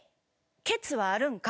ケツはあるんか？